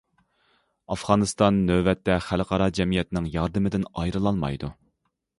ئافغانىستان نۆۋەتتە خەلقئارا جەمئىيەتنىڭ ياردىمىدىن ئايرىلالمايدۇ.